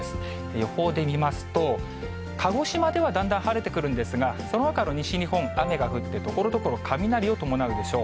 予報で見ますと、鹿児島ではだんだん晴れてくるんですが、そのほかの西日本、雨が降ってところどころ雷を伴うでしょう。